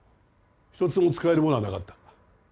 一つも使えるものはなかった。